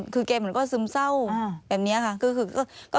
คือแกเหมือนก็ซึมเศร้าแบบนี้ค่ะ